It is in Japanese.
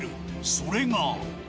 それが。